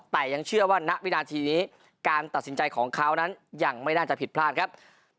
แต่ยังเชื่อว่าณวินาทีนี้การตัดสินใจของเขานั้นยังไม่น่าจะผิดพลาดครับ